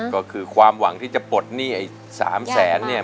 ก็คือความหวังที่จะปลดหนี้ไอ้๓แสนเนี่ย